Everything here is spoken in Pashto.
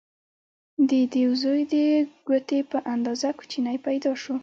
د دیو زوی د ګوتې په اندازه کوچنی پیدا شو.